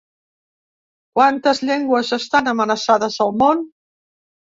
Quantes llengües estan amenaçades al món?